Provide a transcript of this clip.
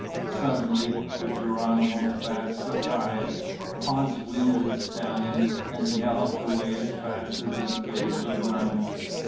Suddenly, to Geronimo's vast surprise, Ponce wheeled his stallion and galloped away as fast as his bay could run.